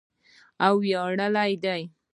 او ویاړلې ده.